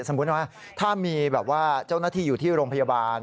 สมมุติว่าถ้ามีแบบว่าเจ้าหน้าที่อยู่ที่โรงพยาบาล